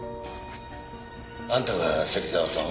あんたが芹沢さんを？